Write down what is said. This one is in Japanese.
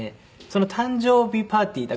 その誕生日パーティー。